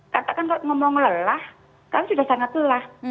katakan kalau ngomong lelah kami sudah sangat lelah